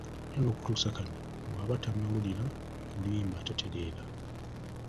Era n'okutuusa kati bw'aba tannawulira ku luyimba tatereera.